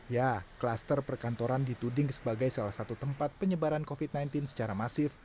ya kluster perkantoran dituding sebagai salah satu tempat penyebaran covid sembilan belas secara masif